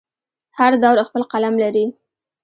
هر دور خپل قلم لري.